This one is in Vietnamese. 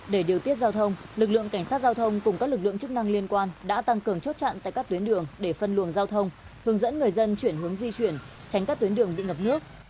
để điều tiết giao thông lực lượng cảnh sát giao thông cùng các lực lượng chức năng liên quan đã tăng cường chốt chặn tại các tuyến đường để phân luồng giao thông hướng dẫn người dân chuyển hướng di chuyển tránh các tuyến đường bị ngập nước